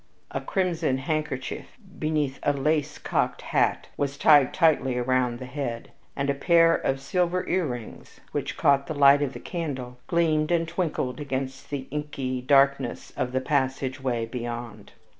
A crimson handkerchief beneath a lace cocked hat was tied tightly around the head, and a pair of silver earrings, which caught the light of the candle, gleamed and twinkled against the inky darkness of the passageway beyond.